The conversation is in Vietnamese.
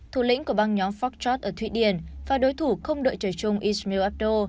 thủ lĩnh của băng nhóm foxtrot ở thụy điển và đối thủ không đội trời chung ismail abdo